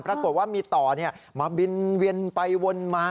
ปรากฏว่ามีต่อมาบินเวียนไปวนมา